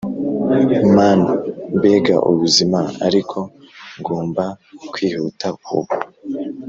mana! mbega ubuzima! ariko ngomba kwihuta ubu,